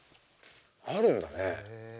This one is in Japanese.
あるんだねえ。